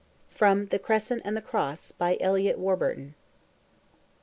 —From "THE CRESCENT AND THE CROSS," by Eliot Warburton.